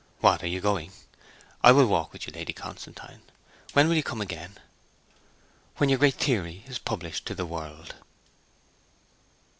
What, are you going? I will walk with you, Lady Constantine. When will you come again?' 'When your great theory is published to the world.'